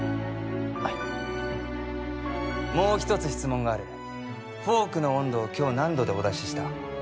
はいもう一つ質問があるフォークの温度を今日何度でお出しした？